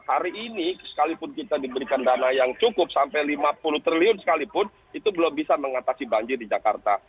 hari ini sekalipun kita diberikan dana yang cukup sampai lima puluh triliun sekalipun itu belum bisa mengatasi banjir di jakarta